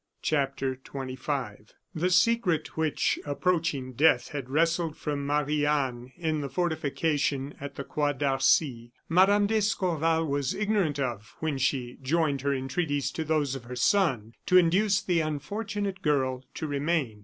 CHAPTER XXV The secret which approaching death had wrestled from Marie Anne in the fortification at the Croix d'Arcy, Mme. d'Escorval was ignorant of when she joined her entreaties to those of her son to induce the unfortunate girl to remain.